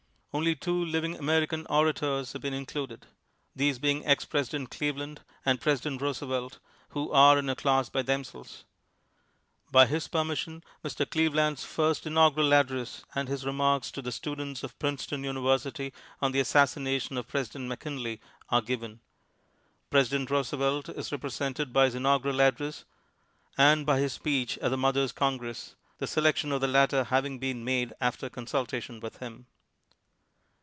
Only two living American orators have been included — these being ex President Cleveland and President Roosevelt, who are in a class by themselves. By his permission, Mr. Cleveland's first inaugural address and his remarks to the students of Princeton University on the assas sination of President McKinley are given. Presi dent Roosevelt is represented by his inaugural address and by his speech at the Mothers' Con gress, the selection of the latter having been made after consultation with him.